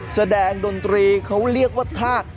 แสดงดนตรีเขาเรียกว่าธาตุ